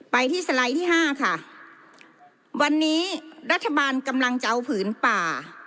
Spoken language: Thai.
ไปที่สไลด์ที่ห้าค่ะวันนี้รัฐบาลกำลังจะเอาผืนป่า